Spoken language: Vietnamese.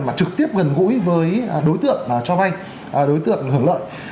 mà trực tiếp gần gũi với đối tượng cho vay đối tượng hưởng lợi